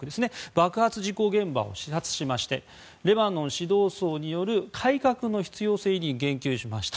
爆発事故現場を視察しましてレバノン指導層による改革の必要性に言及しました。